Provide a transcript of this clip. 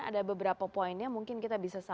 ada beberapa poinnya mungkin kita bisa